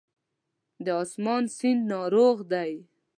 د آسمان سیند ناروغ دی